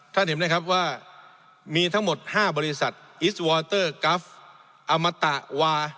เห็นไหมครับว่ามีทั้งหมด๕บริษัทอิสวอเตอร์กราฟอมตะวา